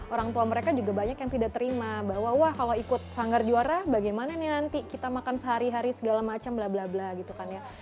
orang tua mereka juga banyak yang tidak terima bahwa wah kalau ikut sanggar juara bagaimana nih nanti kita makan sehari hari segala macam bla bla bla gitu kan ya